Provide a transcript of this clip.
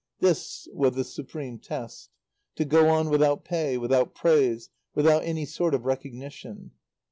This was the supreme test: To go on, without pay, without praise, without any sort of recognition.